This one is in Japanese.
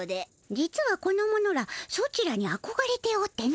実はこの者らソチらにあこがれておっての。